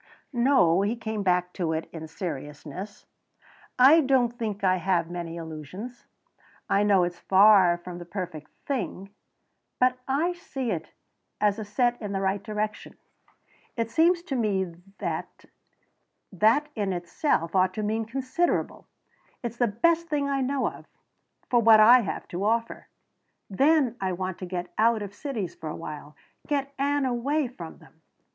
"No," he came back to it in seriousness, "I don't think I have many illusions. I know it's far from the perfect thing, but I see it as set in the right direction. It seems to me that that, in itself, ought to mean considerable. It's the best thing I know of for what I have to offer. Then I want to get out of cities for awhile get Ann away from them."